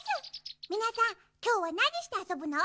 みなさんきょうはなにしてあそぶの？